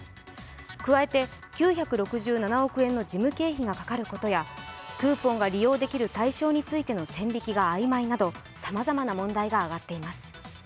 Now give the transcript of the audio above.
加えて９６７億円の事務経費がかかることやクーポンが利用できる対象についての線引きが曖昧など、さまざまな問題が上がっています。